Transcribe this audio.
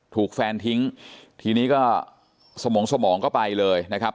ถูกแฟนทิ้งทีนี้ก็สมองสมองก็ไปเลยนะครับ